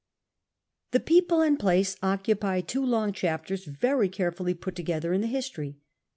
The people and place occiii)}' two long chajitcr s very carefully jnit together in tlie history.